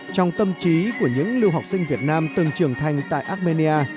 trong tâm trí của những lưu học sinh việt nam từng trưởng thành tại armenia